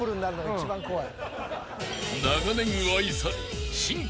一番怖い。